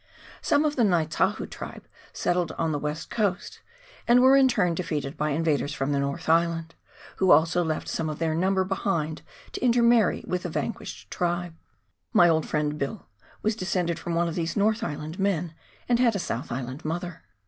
Some of the Ngai tahu tribe settled on the West Coast, and were in their turn defeated by invaders from the North Island, who also left some of their number behind to intermarry with the vanquished tribe. My old friend Bill was descended from one of these North Island men, and had a South Island mother.